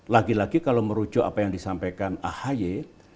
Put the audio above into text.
lagi lagi kalau merujuk apa yang disampaikan ahy